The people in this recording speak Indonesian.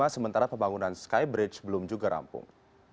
sementara pembangunan sky bridge belum juga rampung